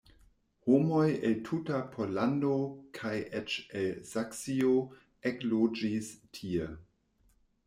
Homoj el tuta Pollando kaj eĉ el Saksio ekloĝis tie.